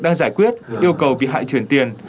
đang giải quyết yêu cầu bị hại chuyển tiền